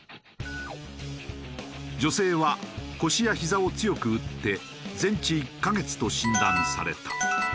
女性は腰や膝を強く打って全治１カ月と診断された。